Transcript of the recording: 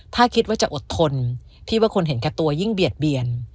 ถ้าคิดว่าจะอดทนที่ว่าคนเห็นแก่ตัวยิ่งเบียดเบียน